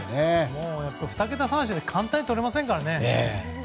２桁三振って簡単にとれませんから。